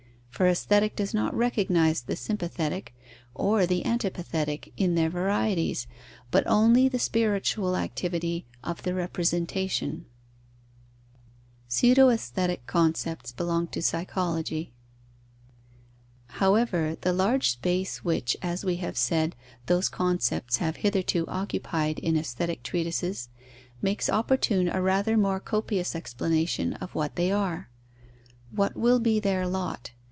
For Aesthetic does not recognize the sympathetic or the antipathetic In their varieties, but only the spiritual activity of the representation. Pseudo aesthetic concepts belong to Psychology. However, the large space which, as we have said, those concepts have hitherto occupied in aesthetic treatises makes opportune a rather more copious explanation of what they are. What will be their lot?